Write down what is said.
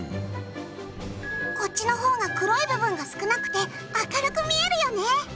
こっちの方が黒い部分が少なくて明るく見えるよね。